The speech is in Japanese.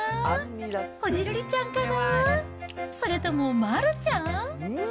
こじるりちゃんかな、それとも丸ちゃん？